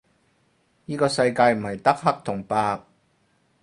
依個世界唔係得黑同白